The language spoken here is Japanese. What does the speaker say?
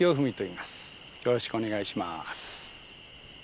よろしくお願いします。